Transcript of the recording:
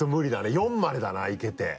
４までだないけて。